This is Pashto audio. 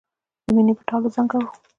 د مینې په ټال وزنګاوه.